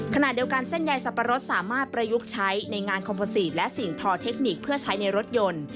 ขณะเดียวกันเส้นใยสับปะรดสามารถประยุกต์ใช้ในงานคอมโมซีตและสิ่งทอเทคนิคเพื่อใช้ในรถยนต์